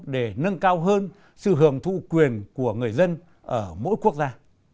để nâng cao hơn sự hưởng thụ quyền của người dân ở mỗi quốc gia